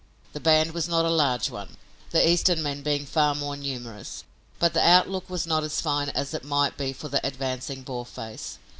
The band was not a large one, the Eastern men being far more numerous, but the outlook was not as fine as it might be for the advancing Boarface.